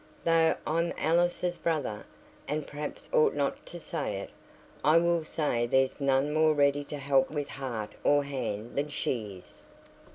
Though I'm Alice's brother, and perhaps ought not to say it, I will say there's none more ready to help with heart or hand than she is.